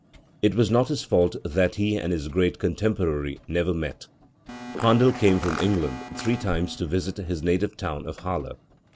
It was not Ms fault that he and his great contemporary never met. Handel came from England three times to visit his native town of Halle.